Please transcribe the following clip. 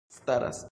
staras